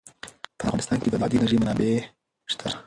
په افغانستان کې د بادي انرژي منابع شته.